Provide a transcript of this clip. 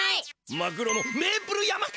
マグロのメープル山かけ！